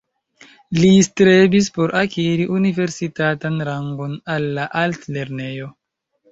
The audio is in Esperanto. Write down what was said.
Li strebis por akiri universitatan rangon al la altlernejo.